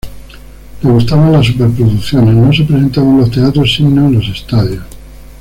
Le gustaban las superproducciones: no se presentaba en los teatros sino en los estadios.